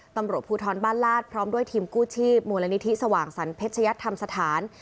ตำรวจภูทรบ้านลาดพร้อมด้วยทีมกู้ชีพมูลนิธิสว่างสรรเพชยัตธรรมสถาน